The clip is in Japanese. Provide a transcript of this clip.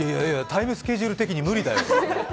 タイムスケジュール的に無理だよ。